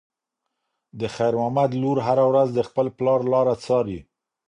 د خیر محمد لور هره ورځ د خپل پلار لاره څاري.